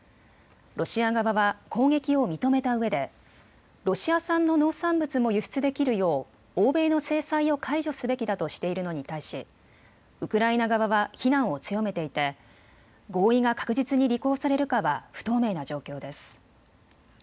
ロシア側は攻撃を認めたうえでロシア産の農産物も輸出できるよう欧米の制裁を解除すべきだとしているのに対しウクライナ側は非難を強めていて合意が確実に履行されるかは不透明な状況です。